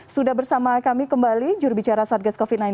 sudah bersama kami kembali jurubicara satgas covid sembilan belas